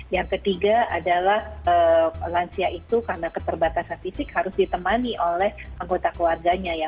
yang ketiga adalah lansia itu karena keterbatasan fisik harus ditemani oleh anggota keluarganya ya